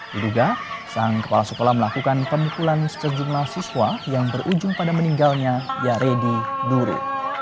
diduga sang kepala sekolah melakukan pemukulan sejumlah siswa yang berujung pada meninggalnya yaredi dure